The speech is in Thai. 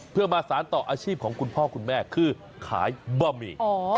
เพื่อมาสารต่ออาชีพของคุณพ่อคุณแม่คือขายบะหมี่